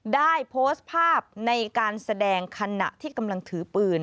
ได้โพสต์ภาพในการแสดงขณะที่กำลังถือปืน